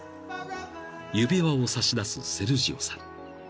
［指輪を差し出すセルジオさん］